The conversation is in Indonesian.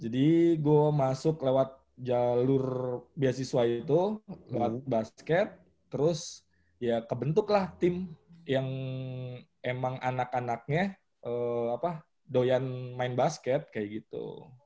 jadi gua masuk lewat jalur beasiswa itu lewat basket terus ya kebentuk lah tim yang emang anak anaknya doyan main basket kayak gitu